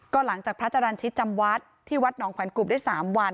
ก็หลังจากพระจรรย์ชิตจำวัดที่วัดหนองขวัญกลุ่มได้๓วัน